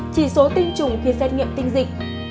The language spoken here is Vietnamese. chỉ số tinh trùng khi xét nghiệm tinh dịch